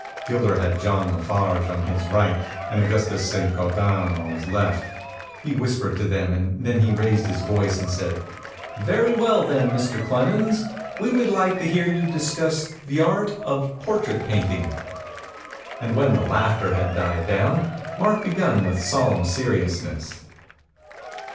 Gilder had John La Farge on his right and Augustus Saint Gaudens on his left. He whis pered to them and then he raised his voice and said, "Very well then, Mr. Clemens, we'd like to hear you discuss the art of portrait painting." And when the laughter had died down, Mark began with solemn seriousness.